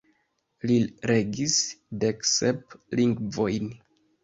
Li regis deksep lingvojn.